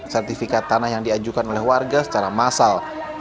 sertifikat tanah yang diajukan oleh warga secara massal